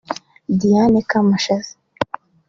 Dianne Kamashazi